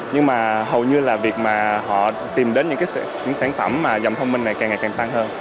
nhưng mà hầu như là việc mà họ tìm đến những cái sản phẩm mà dòng thông minh này càng ngày càng tăng hơn